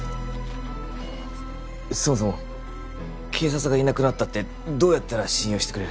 そもそも警察がいなくなったってどうやったら信用してくれる？